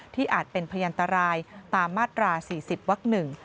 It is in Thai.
ที่อาจเป็นพยันตรายตามมาตรา๔๐วักหนึ่ง